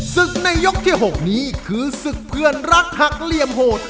ศึกในยกที่๖นี้คือศึกเพื่อนรักหักเหลี่ยมโหด